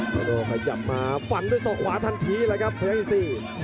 โดโดขยับมาฝันด้วยศอกขวาทันทีเลยครับพยักษ์อีทซี